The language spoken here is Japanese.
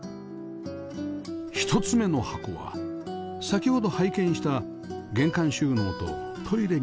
１つ目の箱は先ほど拝見した玄関収納とトイレになっていました